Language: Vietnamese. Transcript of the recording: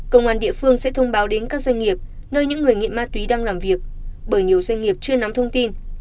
công an địa phương sẽ thông báo đến các doanh nghiệp nơi những người nghiện ma túy đang làm việc bởi nhiều doanh nghiệp chưa nắm thông tin